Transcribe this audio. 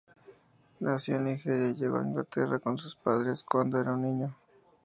Nació en Nigeria y llegó a Inglaterra con sus padres cuando era un niño.